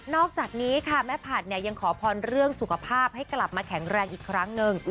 อกจากนี้ค่ะแม่ผัดเนี่ยยังขอพรเรื่องสุขภาพให้กลับมาแข็งแรงอีกครั้งหนึ่ง